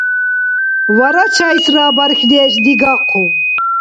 Варачайсра бархьдеш дигахъу.